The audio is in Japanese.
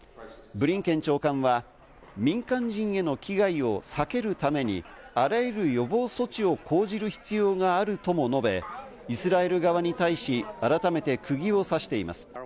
ブリンケン長官は民間人への危害を避けるためにあらゆる予防措置を講じる必要があるとも述べ、イスラエル側に対し改めてくぎを刺しています。